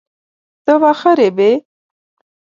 ته واخه ریبې؟